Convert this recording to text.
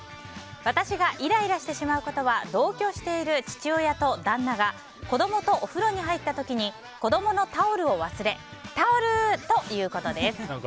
私がイライラしてしまうことは同居している父親と旦那が子供とお風呂に入った時に子供のタオルを忘れタオルー！と言うことです。